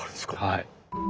はい。